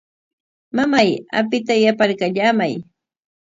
Mamay, apita yaparkallamay.